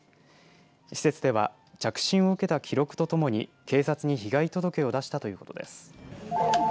施設では着信を受けた記録とともに警察に被害届を出したということです。